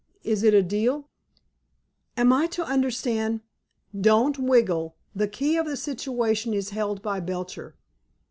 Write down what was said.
Is it a deal?" "Am I to understand—" "Don't wriggle! The key of the situation is held by Belcher.